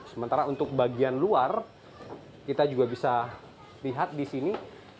sementara untuk bagian luar kita juga bisa lihat di sini